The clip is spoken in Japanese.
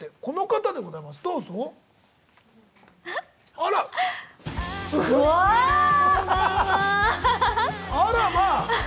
あらまあ！